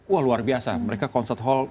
wah luar biasa mereka concert hall